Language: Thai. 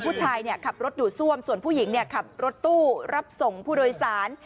ผู้ชายเนี่ยขับรถดูดซ่วมส่วนผู้หญิงเนี่ยขับรถตู้รับส่งผู้โดยสาร